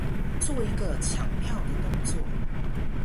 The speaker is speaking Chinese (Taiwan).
做一個搶票的動作